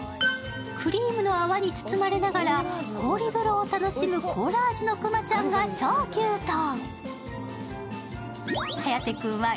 クリームの泡に包まれながら氷風呂を楽しむコーラ味のくまちゃんが超キュート。